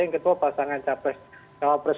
yang kedua pasangan cawapres